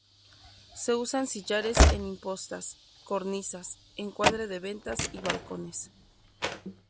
Se usan sillares en impostas, cornisas, encuadre de ventanas y balcones.